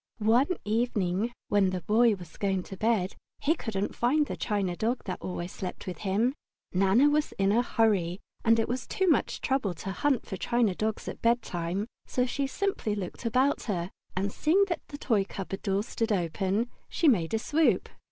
One evening, when the Boy was going to bed, he couldn't find the china dog that always slept with him. Nana was in a hurry, and it was too much trouble to hunt for china dogs at bedtime, so she simply looked about her, and seeing that the toy cupboard door stood open, she made a swoop.